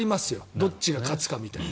どっちが勝つかみたいな。